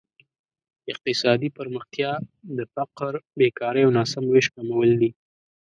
اقتصادي پرمختیا د فقر، بېکارۍ او ناسم ویش کمول دي.